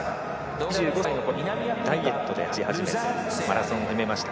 ２５歳のころにダイエットで走り始めてマラソンを始めました。